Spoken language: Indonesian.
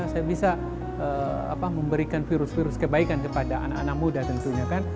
saya bisa memberikan virus virus kebaikan kepada anak anak muda tentunya kan